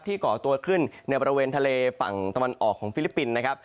ก่อตัวขึ้นในบริเวณทะเลฝั่งตะวันออกของฟิลิปปินส์นะครับ